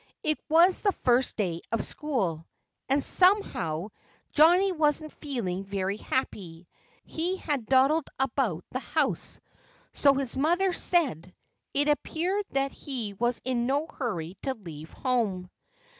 It was the first day of school. And somehow Johnnie wasn't feeling very happy. He had dawdled about the house so his mother said. It appeared that he was in no hurry to leave home.